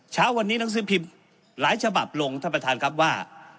เช้าวันนี้หนังสือพิมพ์หลายฉบับลงท่านประธานครับว่า